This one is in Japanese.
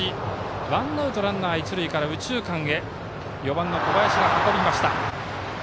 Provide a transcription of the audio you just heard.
ワンアウトランナー、一塁から右中間へ４番、小林が運びました。